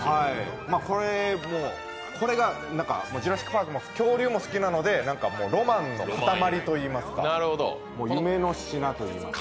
これが「ジュラシック・パーク」も恐竜も好きなのでロマンの塊といいますか夢の品といいますか。